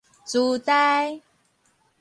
書呆